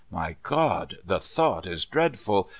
My God the thought is dreadful!